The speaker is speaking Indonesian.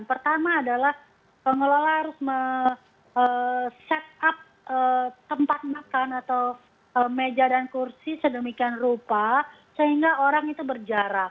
pertama adalah pengelola harus set up tempat makan atau meja dan kursi sedemikian rupa sehingga orang itu berjarak